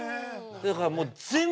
だからもう。